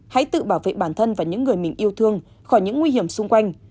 hãy tự bảo vệ bản thân và những người mình yêu thương khỏi những nguy hiểm xung quanh